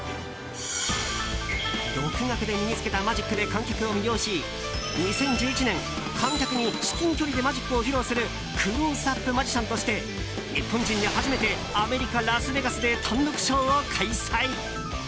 独学で身に着けたマジックで観客を魅了し２０１１年、観客に至近距離でマジックを披露するクロースアップマジシャンとして日本人で初めてアメリカ・ラスベガスで単独ショーを開催。